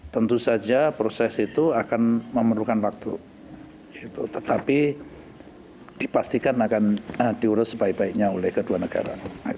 tentu saja proses itu akan memerlukan waktu tetapi dipastikan akan diurus sebaik baiknya oleh kedua negara